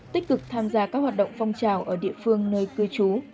tích cực tham gia các hoạt động phong trào ở địa phương nơi cư trú